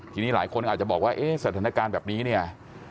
ทีนี้หลายคนอาจจะบอกว่าเอ๊ะสถานการณ์แบบนี้เนี่ย